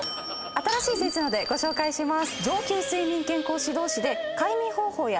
新しい先生なのでご紹介します。